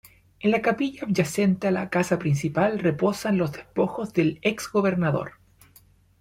En la capilla adyacente a la casa principal reposan los despojos del ex-gobernador.